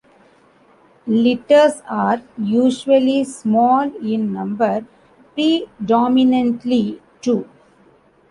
Litters are usually small in number, predominantly two.